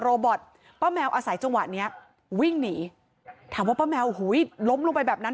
บอตป้าแมวอาศัยจังหวะเนี้ยวิ่งหนีถามว่าป้าแมวหูยล้มลงไปแบบนั้น